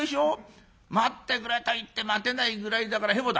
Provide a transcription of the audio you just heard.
『待ってくれ』と言って待てないぐらいだからヘボだ」。